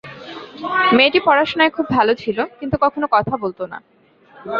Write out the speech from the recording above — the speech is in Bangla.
মেয়েটি পড়াশোনায় খুব ভালো ছিল, কিন্তু কখনো কথা বলত না।